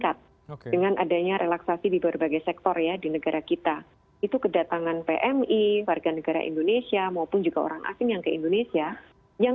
kelihatan itu kedatangan pmi warga negara indonesia maupun juga orang asing yang ke indonesia yang